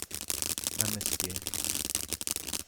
I missed you.